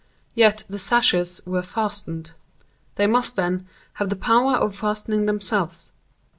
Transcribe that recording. Yet the sashes were fastened. They must, then, have the power of fastening themselves.